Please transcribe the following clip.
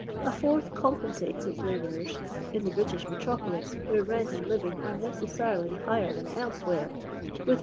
a fourth compensates its labourers — inTthe British metropolis, where rent and living are necessarily higher than elsewhere — with 6#.